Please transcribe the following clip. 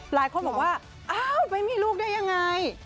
หลายคนบอกว่าอ้าวไปมีลูกได้ยังไง